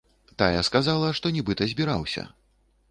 Тая сказала, што нібыта збіраўся.